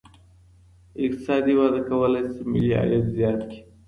اقتصادي وده کولی سي ملي عايد زيات کړي.